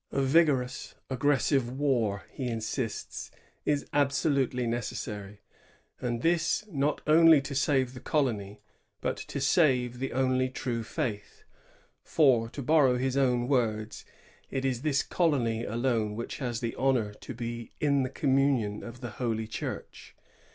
A vigorous, aggressive war, he insists, is absolutely necessary, and this not only to save the colony, but to save the only true faith; "for," to borrow his own words, "it is this colony alone which has the honor to be in the com munion of the Holy Church.